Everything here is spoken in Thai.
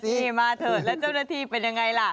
เจ้าหน้าทีมาเถอะแล้วเจ้าหน้าทีเป็นอย่างไรล่ะ